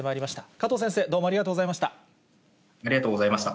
加藤先生、ありがとうございました。